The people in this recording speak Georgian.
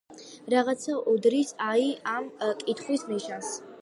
რაღაცა უდრის აი ამ კითხვის ნიშანს.